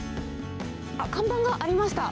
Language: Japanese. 看板がありました。